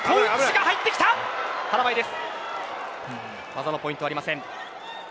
技のポイントはありません。